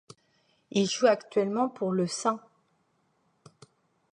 Il joue actuellement pour le St.